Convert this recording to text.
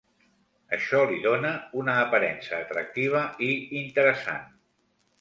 Això li dóna una aparença atractiva i interessant.